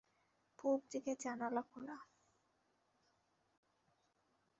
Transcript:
পুব দিকে জানলা খোলা।